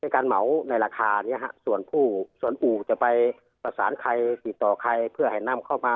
ในการหมาวมาราคาอู่จะไปตราสานใครติดต่อใครเพื่อให้นำเข้ามา